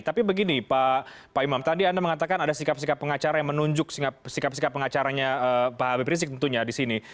tapi begini pak imam tadi anda mengatakan ada sikap sikap pengacara yang menunjuk sikap sikap pengacaranya pak habib rizik tentunya di sini